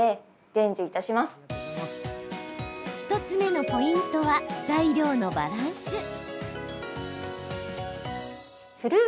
１つ目のポイントは材料のバランス。